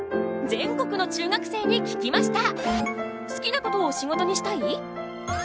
全国の中学生に聞きました！